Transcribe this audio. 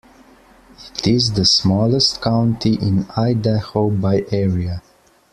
It is the smallest county in Idaho by area.